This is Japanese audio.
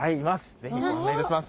是非ご案内いたします。